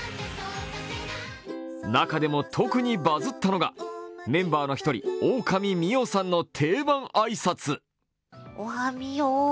中でも特にバズったのがメンバーの１人、大神ミオさんの定番挨拶。